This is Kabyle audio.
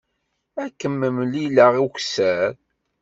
Ad kem-mlileɣ ukessar.